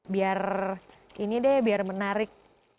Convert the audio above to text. biar ini deh biar menarik